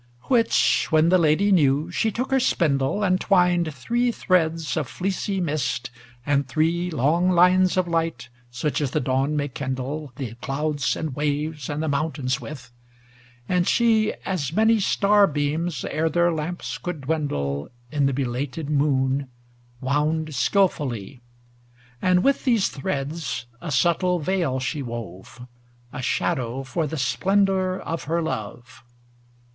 XIII Which when the Lady knew, she took her spindle And twined three threads of fleecy mist, and three Long lines of light, such as the dawn may kindle The clouds and waves and mountains with; and she As many star beams, ere their lamps could dwindle In the belated moon, wound skilfully; And with these threads a subtle veil she wove ŌĆö A shadow for the splendor of her love.